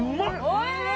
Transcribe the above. おいしい！